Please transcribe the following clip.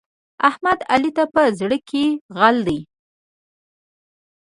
احمد؛ علي ته په زړه کې غل دی.